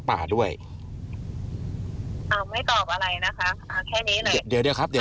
ถ้ายังไม่เลิกมายุ่งมายุ่นวายนะ